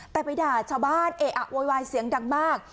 แต่ไปด่าชาวบ้านเออะโวยวายเสียงดังมาก